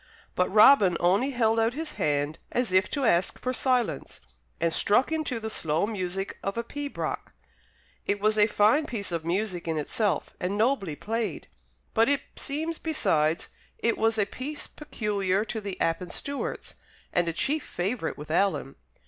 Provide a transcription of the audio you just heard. But Robin only held out his hand as if to ask for silence, and struck into the slow music of a pibroch. It was a fine piece of music in itself, and nobly played; but, it seems besides, it was a piece peculiar to the Appin Stewarts and a chief favourite with Alan.